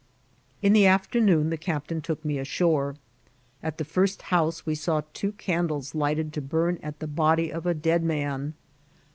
In the afternoon the captain took me ashore. At the first house we saw two candles lighted to bum at the body of a dead man.